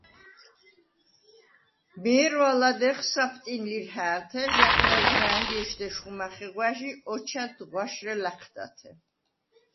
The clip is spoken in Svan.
მე̄რვა ლადეღ საფტინ ლირჰა̄̈ლთე ჟ’ა̈ხვნა̈ზვრა̄̈ნდ ჲეშდეშხუ მახეღვა̈ჟ ი ოჩა̈დდ ღვაშრე ლა̈ჴდათე.